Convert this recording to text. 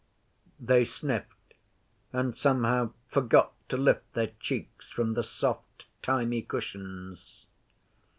They sniffed, and somehow forgot to lift their cheeks from the soft thymy cushions.